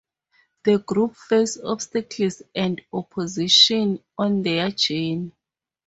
The group face obstacles and opposition on their journey.